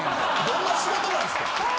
どんな仕事なんですか。